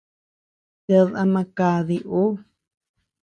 Ted ama kadi uu.